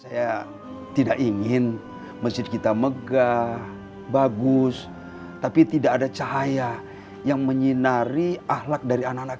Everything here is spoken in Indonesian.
saya tidak ingin masjid kita megah bagus tapi tidak ada cahaya yang menyinari ahlak dari anak anak